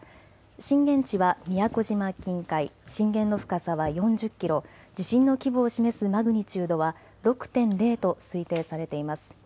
震源地は宮古島近海、震源の深さは４０キロ、地震の規模を示すマグニチュードは６．０と推定されています。